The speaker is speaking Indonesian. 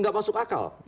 tidak masuk akal